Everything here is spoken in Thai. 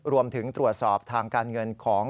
รวมถึงตรวจสอบทางการเงินของ